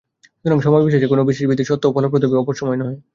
সুতরাং সময়-বিশেষে কোন বিশেষ বিধিই সত্য ও ফলপ্রদ হইবে, অপর সময়ে নহে।